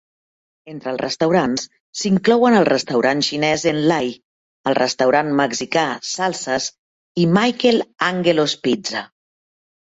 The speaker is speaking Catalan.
Entre els restaurants s'inclouen el restaurant xinès En Lai, el restaurant mexicà Salsa's i Michael Angelo's Pizza.